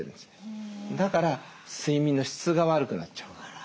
だから睡眠の質が悪くなっちゃう。